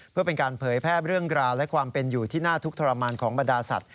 เพื่อเป็นการเผยแพร่เรื่องราวและความเป็นอยู่ที่น่าทุกข์ทรมานของบรรดาสัตว